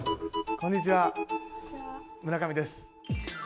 こんにちは村上です。